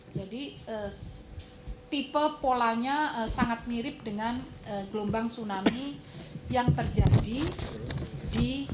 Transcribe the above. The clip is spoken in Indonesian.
jadi tipe polanya sangat mirip dengan gelombang tsunami yang terjadi di